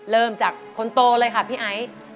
เริ่มจากคนโตเลยค่ะพี่ไอ